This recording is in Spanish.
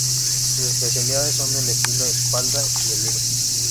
Sus especialidades son el estilo espalda y el libre.